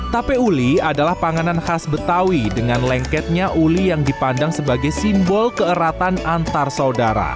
tape uli adalah panganan khas betawi dengan lengketnya uli yang dipandang sebagai simbol keeratan antar saudara